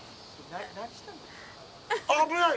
危ない！